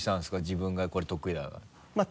自分がこれ得意だなって。